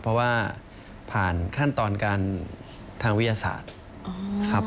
เพราะว่าผ่านขั้นตอนการทางวิทยาศาสตร์ครับ